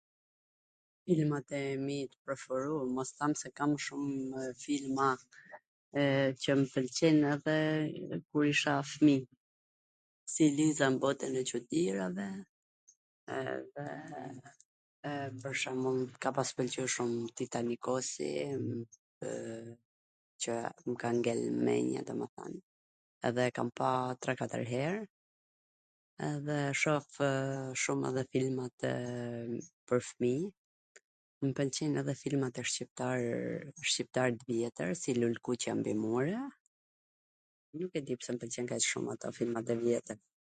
Filmat e mi t preferum, mos thom se kam shum filma, qw m pwlqejn edhe kur isha fmi, si Liza n botwn e Cudirave, edhe pwr shwmbull m ka pas pwlqy shum Titanikosi, qw mw ka ngel n men-je domethan, edhe e kam pa tre katwr her, edhe shofw shum edhe filmat pwr fmij, mw pwlqejn edhe filmat shqiptar t vjetwr si Lulkuqja mbi mure, nuk e di pse m pwlqejn kaq shum ato filmat e vjetwr,